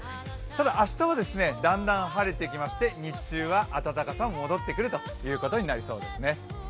ただ明日はだんだん晴れてきまして、日中は暖かさが戻ってくるということになりそうですね。